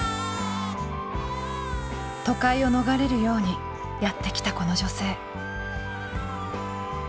都会を逃れるようにやって来たこの女性。